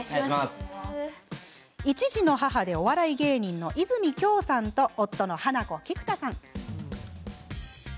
１児の母でお笑い芸人の和泉杏さんと夫のハナコ、菊田さん。